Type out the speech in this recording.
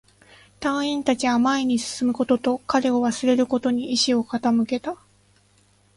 隊員達は前に進むことと、彼を忘れることに意志を傾けた